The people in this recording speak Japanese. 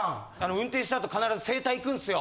運転したあと必ず整体行くんですよ。